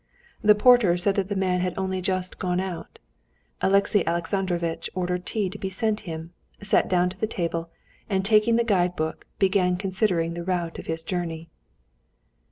The porter said that the man had only just gone out. Alexey Alexandrovitch ordered tea to be sent him, sat down to the table, and taking the guidebook, began considering the route of his journey.